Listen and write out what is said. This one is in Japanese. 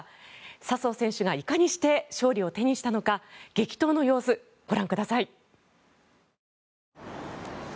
笹生選手がいかにして勝利を手にしたのか激闘の様子をご覧ください。